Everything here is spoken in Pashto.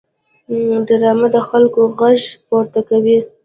ډرامه د خلکو غږ پورته کوي